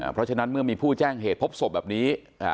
เพราะฉะนั้นเมื่อมีผู้แจ้งเหตุพบศพแบบนี้